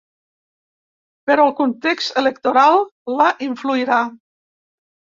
Però el context electoral la influirà.